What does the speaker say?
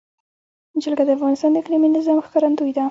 جلګه د افغانستان د اقلیمي نظام ښکارندوی ده.